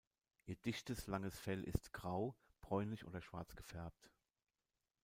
Ihr dichtes, langes Fell ist grau, bräunlich oder schwarz gefärbt.